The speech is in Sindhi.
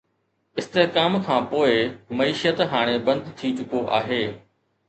استحڪام کان پوء، معيشت هاڻي بند ٿي چڪو آهي